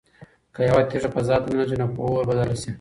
که یوه تیږه فضا ته ننوځي نو په اور بدله شي.